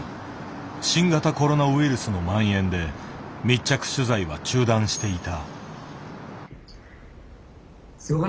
新型コロナウイルスのまん延で密着取材は中断していた。